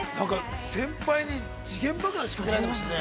◆先輩に時限爆弾、仕掛けられてましたよね。